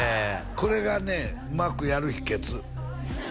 これがねうまくやる秘訣